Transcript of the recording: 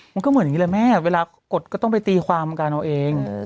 มันก็เหมือนอย่างนี้แหละแม่เวลากดก็ต้องไปตีความการเอาเอง